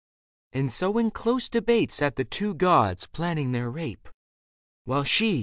And so in close debate Sat the two gods, planning their rape ; while she.